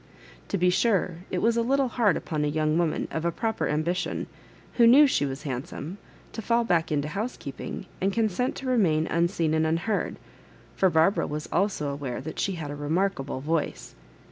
To be sure, it was a little hard upon a young woman of a proper ambition, who knew she was handsome, to raU back into housekeep ing, and consent to remain unseen and unheard; for Barbara was also aware that she had a re markable voice.